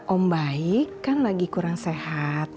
om baik kan lagi kurang sehat